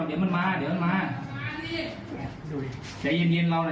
เดี๋ยวมันมาเดี๋ยวมันมาใจเย็นเย็นเราน่ะ